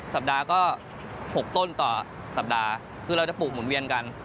สัปดาห์ก็๖ต้นต่อสัปดาห์คือเราจะปลูกหมุนเวียนกัน